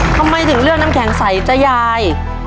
ทำไมถึงเรื่องน้ำแข็งใสจ้าย